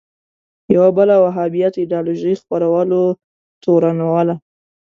یوه بله وهابیت ایدیالوژۍ خپرولو تورنوله